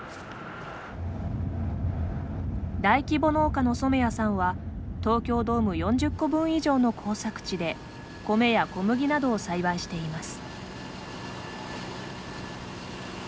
大規模農家の染谷さんは東京ドーム４０個分以上の耕作地で、米や小麦などを栽培しています。